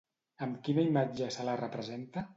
Amb quina imatge se la representa?